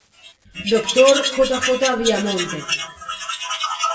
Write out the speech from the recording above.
J. J. Viamonte, Dr.